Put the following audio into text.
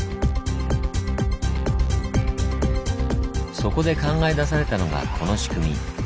そこで考え出されたのがこの仕組み。